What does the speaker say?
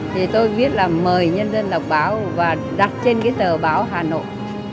thì tôi biết là mời nhân dân đọc báo và đặt trên cái tờ báo hà nội